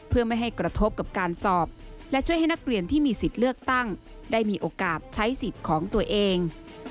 เพื่อไม่ให้กระทบกับการสอบและช่วยให้นักเรียนที่มีสิทธิ์เลือกตั้งได้มีโอกาสใช้สิทธิ์ของตัวเอง